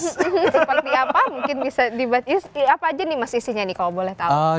seperti apa mungkin bisa dibuat apa aja nih mas isinya nih kalau boleh tahu